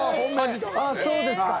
そうですか。